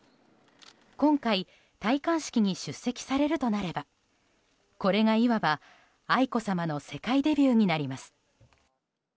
今回、戴冠式に出席されるとなればこれがいわば、愛子さまの世界デビューになります。